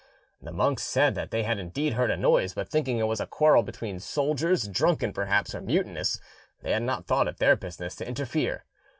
The monks said that they had indeed heard a noise, but thinking it was a quarrel between soldiers drunken perhaps or mutinous, they had not thought it their business to interfere.